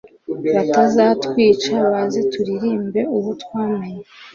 bazatwica maze turirimbe uwo twamenye